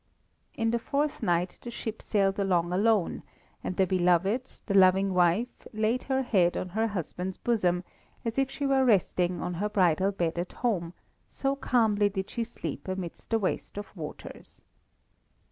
In the fourth night the ship sailed along alone, and the beloved, the loving wife, laid her head on her husband's bosom, as if she were resting on her bridal bed at home, so calmly did she sleep amidst the waste of waters.